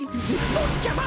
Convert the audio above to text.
ぼっちゃま！